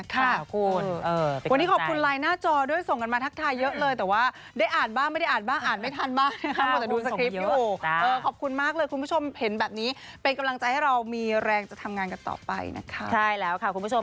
ขอบคุณมากเลยคุณผู้ชมเห็นแบบนี้เป็นกำลังใจให้เรามีแรงจะทำงานกันต่อไปนะครับ